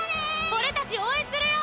俺たち応援するよ！